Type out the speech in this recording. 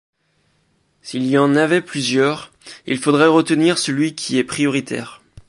S'il y en avait plusieurs, il faudrait retenir celui qui est prioritaire.